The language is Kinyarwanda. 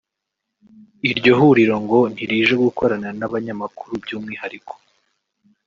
Iryo huriro ngo ntirije gukorana n’abanyamakuru by’umwihariko